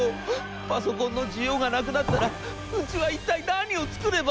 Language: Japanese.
パソコンの需要がなくなったらうちは一体何を作れば』。